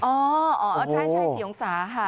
อ๋ออ๋อใช่๔องศาค่ะ